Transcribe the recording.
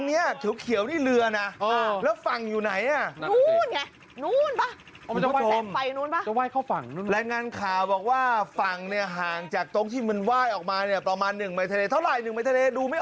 ไม่เพียรอมันคนมันไว้เก่งมากเลยน่ะดูดิ